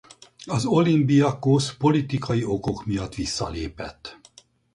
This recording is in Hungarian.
Az Olimbiakósz politikai okok miatt visszalépett.